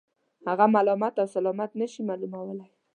هغه ملامت و سلامت نه شي معلومولای.